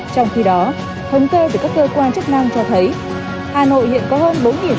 trong khi đó thống kê từ các cơ quan chức năng cho thấy hà nội hiện có hơn bốn xe ba bánh